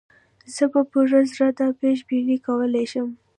زه په پوره زړه دا پېش بیني کولای شم.